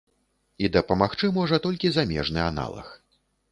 І дапамагчы можа толькі замежны аналаг.